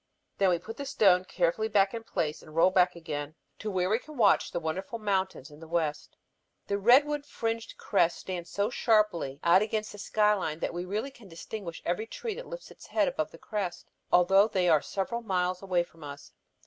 Then we put the stone carefully back in place, and roll back again to where we can watch the wonderful mountains in the west. The redwood fringed crest stands so sharply out against the sky line that we really can distinguish every tree that lifts its head above the crest, although they are several miles away from us.